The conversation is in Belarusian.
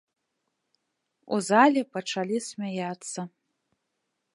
У зале пачалі смяяцца.